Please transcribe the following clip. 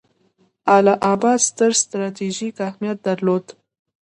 اله اباد ستر ستراتیژیک اهمیت درلود.